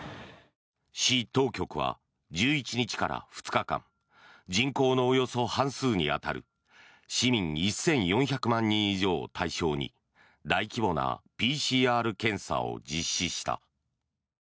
市当局は１１日から２日間人口のおよそ半数に当たる市民１４００万人以上を対象に大規模なＰＣＲ検査を実施した。